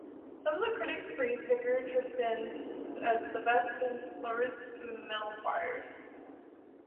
Some critics praised Vickers' Tristan as the best since Lauritz Melchior's.